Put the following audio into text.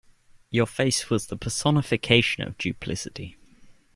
Your face was the personification of duplicity.